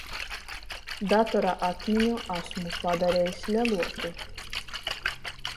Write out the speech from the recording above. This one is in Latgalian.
Datora atmiņu asmu padarejs leluoku.